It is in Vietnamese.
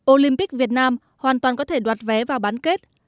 olympic việt nam hoàn toàn có thể đoạt vé vào bán kết